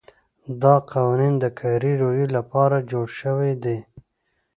دا قوانین د کاري رویې لپاره جوړ شوي دي.